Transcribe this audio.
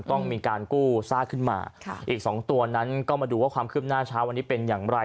ต้องมีการกู้ซากขึ้นมาอีก๒ตัวนั้นก็มาดูว่าความคืบหน้าเช้าวันนี้เป็นอย่างไร